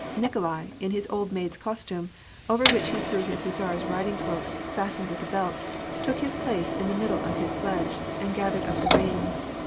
Nikolai, in his old maid's costume, over which he threw his hussar's riding cloak fastened with a belt, took his place in the middle of his sledge, and gathered up the reins.